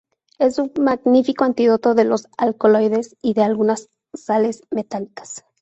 Es un magnífico antídoto de los alcaloides y de algunas sales metálicas.